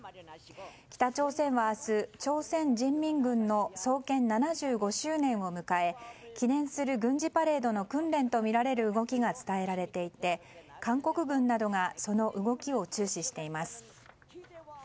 北朝鮮は明日、朝鮮人民軍の創建７５周年を迎え記念する軍事パレードの訓練とみられる動きが伝えられていて、韓国軍などがその動きを注視しています。